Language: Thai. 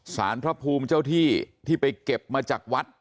สารพระภูมิเจ้าที่ที่ไปเก็บมาจากวัด